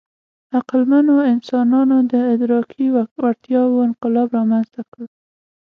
عقلمنو انسانانو د ادراکي وړتیاوو انقلاب رامنځ ته کړ.